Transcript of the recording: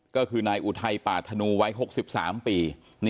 ก็คือนายอุไทยป่าธนู่ไว้๖๓ปี